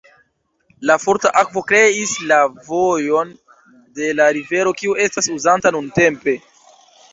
La forta akvo kreis la vojon de la rivero kiu estas uzanta nuntempe.